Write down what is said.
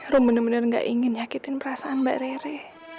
rum bener bener gak ingin nyakitin perasaan mbak rere